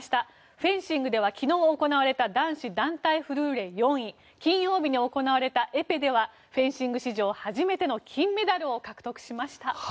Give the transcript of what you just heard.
フェンシングでは昨日行われた男子団体フルーレ４位金曜日に行われたエペではフェンシング史上初めて金メダルを獲得しました。